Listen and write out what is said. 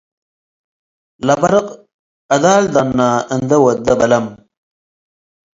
ለበርቅ አዳል ደነ እንዴ ወዴ በለም